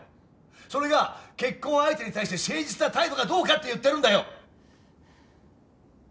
それが結婚相手に対して誠実な態度かどうかって言ってるんだよ！